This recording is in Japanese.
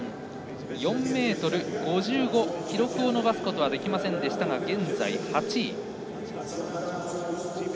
４ｍ５５と記録を伸ばせませんでしたが現在８位。